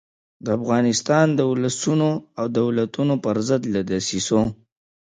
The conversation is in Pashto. د افغانستان د اولسونو او دولتونو پر ضد له دسیسو.